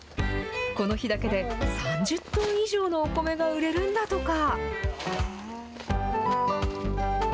この日だけで３０トン以上のお米が売れるんだとか。